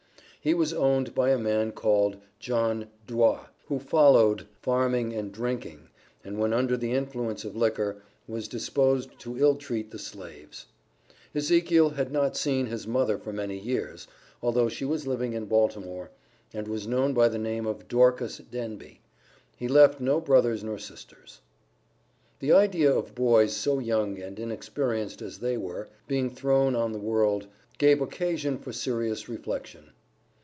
He was owned by a man called John Dwa, who followed "farming and drinking," and when under the influence of liquor, was disposed to ill treat the slaves. Ezekiel had not seen his mother for many years, although she was living in Baltimore, and was known by the name of "Dorcas Denby." He left no brothers nor sisters. The idea of boys, so young and inexperienced as they were, being thrown on the world, gave occasion for serious reflection.